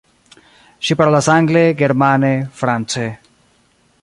Ŝi parolas angle, germane, france.